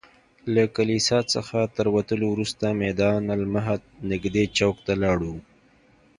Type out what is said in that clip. له کلیسا څخه تر وتلو وروسته میدان المهد نږدې چوک ته لاړو.